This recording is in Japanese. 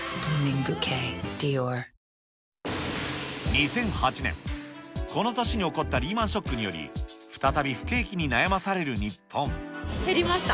２００８年、この年に起こったリーマンショックにより、再び不景気に悩まされ減りました。